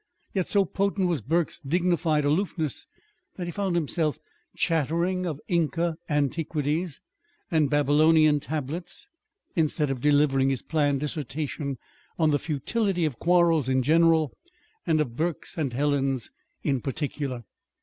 Yet, so potent was Burke's dignified aloofness that he found himself chattering of Inca antiquities and Babylonian tablets instead of delivering his planned dissertation on the futility of quarrels in general and of Burke's and Helen's in particular.